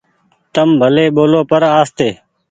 تم ڀلي ٻولو پر آستي۔